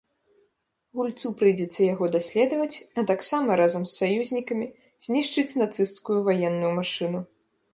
Гульцу прыйдзецца яго даследаваць, а таксама разам з саюзнікамі знішчыць нацысцкую ваенную машыну.